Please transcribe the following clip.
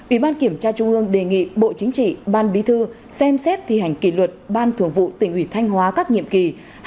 ủy ban kiểm tra trung ương đề nghị bộ chính trị ban bí thư xem xét thi hành kỷ luật ban thường vụ tỉnh ủy thanh hóa các nhiệm kỳ